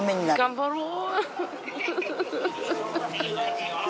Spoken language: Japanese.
頑張ろう。